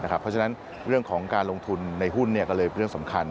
เพราะฉะนั้นเรื่องของการลงทุนในหุ้นก็เลยเป็นเรื่องสำคัญ